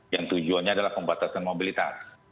yang tujuannya adalah pembatasan mobilitas